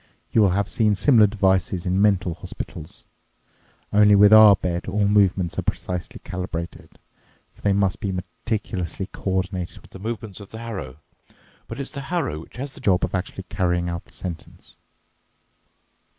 You will have seen similar devices in mental hospitals. Only with our bed all movements are precisely calibrated, for they must be meticulously coordinated with the movements of the harrow. But it's the harrow which has the job of actually carrying out the sentence."